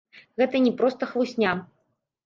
Гэта не проста хлусня.